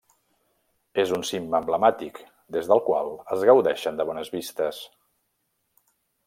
És un cim emblemàtic des del qual es gaudeixen de bones vistes.